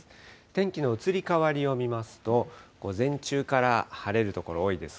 天気の移り変わりを見ますと、午前中から晴れる所が多いです。